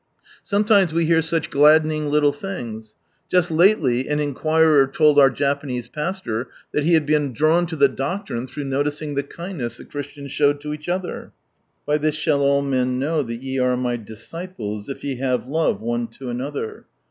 Sometimes we hear such gladdening little things. Just lately an inquirer told our Japanese pastor tiiat he had been drawn to " The Doctrine " through noticing the kindness the Christians showed to each other. " By this shall all men know that ye are My disciples if ye have love one to another